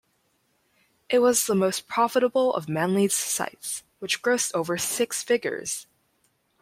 It was the most profitable of Manley's sites, which grossed over six figures.